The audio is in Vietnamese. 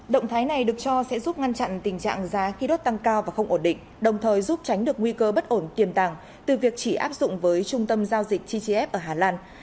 động thái này được cho sẽ giúp ngăn chặn tình trạng giá khí đốt tăng cao và không ổn định đồng thời giúp tránh được nguy cơ bất ổn tiềm tàng từ việc chỉ áp dụng với trung tâm giao dịch tgf ở hà lan